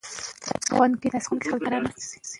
که نجونې ښوونځي ته لاړې شي نو هیلې به یې نه مري.